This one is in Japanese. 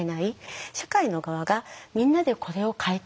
社会の側がみんなでこれを変えていこう。